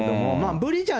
ブリちゃん